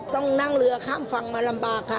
ต้องนั่งเรือข้ามฝั่งมาลำบากค่ะ